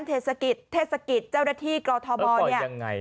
เทศกิตเทศกิตเจ้าหน้าที่กรทบเนี่ย